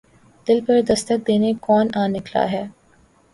دل پر دستک دینے کون آ نکلا ہے